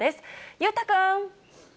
裕太君。